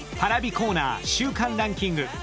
コーナー週間ランキング